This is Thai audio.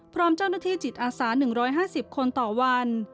พร้อมเจ้าหน้าที่จิตอาสา๑๕๐คนต่อวัน